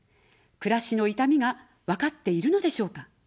暮らしの痛みがわかっているのでしょうか。